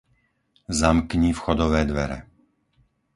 Zamkni vchodové dvere.